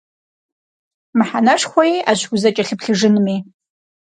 Мыхьэнэшхуэ иӀэщ узыкӀэлъыплъыжынми.